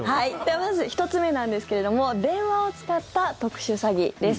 まず１つ目なんですけども電話を使った特殊詐欺です。